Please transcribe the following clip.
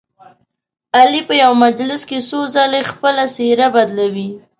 علي په یوه مجلس کې څو ځلې خپله څهره بدلوي.